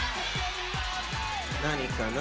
何かな？